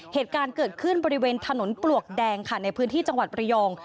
เหตุการณ์เกิดขึ้นบริเวณถนนปลวกแดงค่ะในพื้นที่จังหวัดประยอง